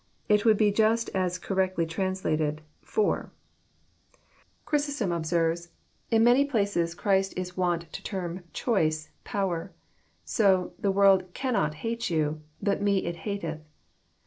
It would be just as correctly translated •* for, Chiysostom observes :<< In many places Christ Is wont to tenn JOHN, CHAP. xn. 367 choice power. So, " The world cannot hate you, but Me it hateth."